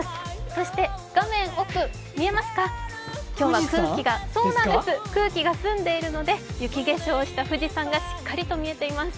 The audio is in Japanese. そして画面奥、見えますか、今日は空気が澄んでいるので雪化粧をした富士山がしっかりと見えています。